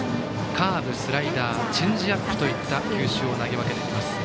カーブ、スライダーチェンジアップといった球種を投げ分けてきます。